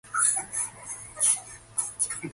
The sheet is then dried under pressure.